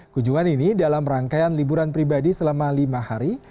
kunjungan ini dalam rangkaian liburan pribadi selama lima hari